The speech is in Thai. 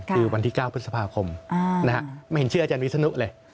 คือวันที่๙พฤษภาคมไม่เห็นเชื่ออาจารย์วิศนุเลย